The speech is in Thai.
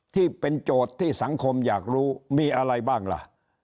ที่เป็นโจทย์ที่สังคมอยากรู้มีอะไรบ้างล่ะ